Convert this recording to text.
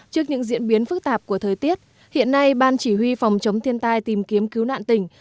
trước những diễn biến phức tạp của thời tiết hiện nay ban chỉ huy phòng chống thiên tai tìm kiếm cứu nạn tỉnh